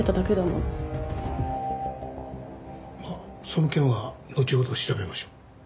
まあその件はのちほど調べましょう。